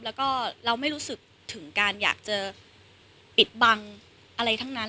แล้วก็เราไม่รู้สึกถึงการอยากจะปิดบังอะไรทั้งนั้น